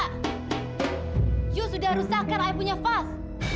kamu sudah rusakkan saya punya fas